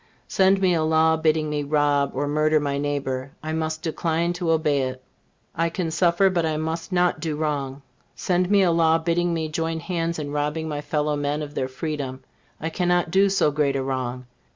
Send me a law bidding me rob or murder my neighbor, I must decline to obey it. I can suffer, but I must not do wrong. Send me a law bidding me join hands in robbing my fellow men of their freedom, I cannot do so great a wrong.